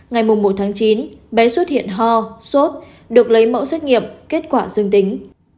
ngày một tháng chín bé xuất hiện ho sốt được lấy mẫu xét nghiệm kết quả dương tính